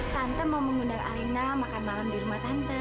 tante mau mengundang arena makan malam di rumah tante